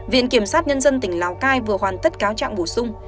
viện kiểm sát nhân dân tỉnh lào cai vừa hoàn tất cáo trạng bổ sung